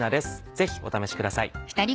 ぜひお試しください。